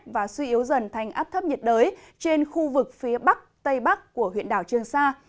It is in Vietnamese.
và suy yếu dần thành áp thấp nhiệt đới trên khu vực phía bắc tây bắc của huyện đảo trương sa